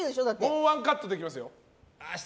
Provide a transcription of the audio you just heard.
もうワンカットできますよ。